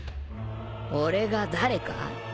俺が誰か？